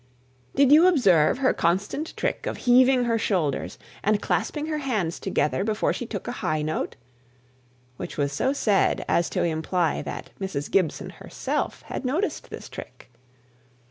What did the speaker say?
] "Did you observe her constant trick of heaving her shoulders and clasping her hands together before she took a high note?" which was so said as to imply that Mrs. Gibson herself had noticed this trick.